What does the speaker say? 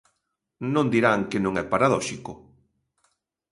Non dirán que non é paradóxico.